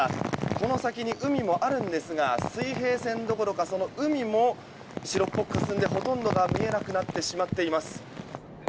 この先に海もあるんですが水平線どころかその海も白っぽくかすんでほとんど見えなくなってしまっています。